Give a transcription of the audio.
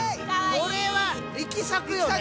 これは力作よね。